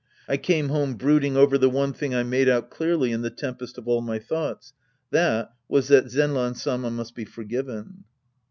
I came home brooding over the one thing I made out clearly in the tempest of all my thoughts. That was that Zenran Sama must be forgiven.